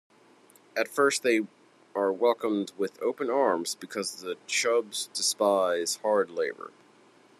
At first they are welcomed with open arms because the Chubs despise hard labor.